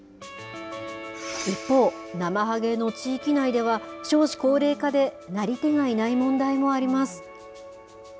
一方、なまはげの地域内では、少子高齢化でなり手がいない問題もあります。